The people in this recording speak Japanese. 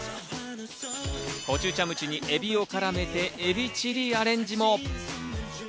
コチュチャムチにエビを絡めてエビチリアレンジも。